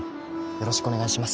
よろしくお願いします。